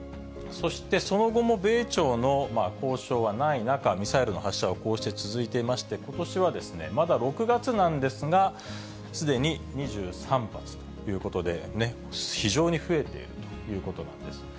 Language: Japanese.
そして、その後も米朝の交渉はない中、ミサイルの発射はこうして続いていまして、ことしはまだ６月なんですが、すでに２３発ということで、非常に増えているということなんです。